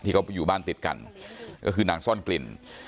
เขาอยู่บ้านติดกันก็คือนางซ่อนกลิ่น